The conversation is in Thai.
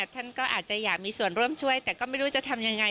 ท่านก็อาจจะอยากมีส่วนร่วมช่วยแต่ก็ไม่รู้จะทำยังไง